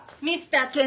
ミスター